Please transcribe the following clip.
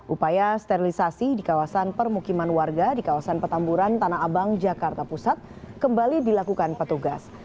upaya sterilisasi di kawasan permukiman warga di kawasan petamburan tanah abang jakarta pusat kembali dilakukan petugas